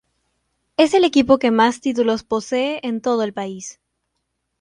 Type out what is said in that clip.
Es el equipo que más títulos posee en todo el país.